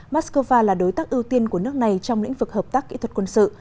moscow là đối tác ưu tiên của nước này trong lĩnh vực hợp tác kỹ thuật quân sự